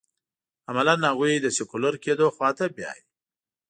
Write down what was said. عملاً هغوی د سیکولر کېدو خوا ته بیايي.